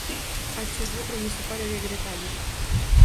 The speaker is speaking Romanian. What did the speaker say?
Acest lucru mi se pare regretabil.